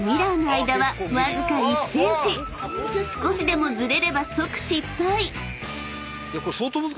［少しでもずれれば即失敗］